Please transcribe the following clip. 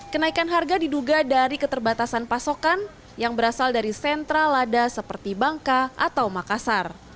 kenaikan harga diduga dari keterbatasan pasokan yang berasal dari sentra lada seperti bangka atau makassar